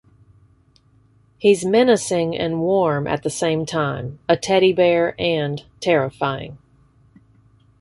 He's menacing and warm at the same time, a teddy bear and terrifying.